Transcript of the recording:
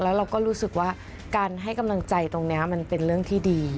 แล้วเราก็รู้สึกว่าการให้กำลังใจตรงนี้มันเป็นเรื่องที่ดี